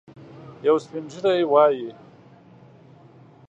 یو سپین ږیری وايي.